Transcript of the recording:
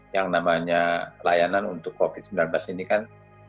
yang namanya layanan untuk covid sembilan belas ini kan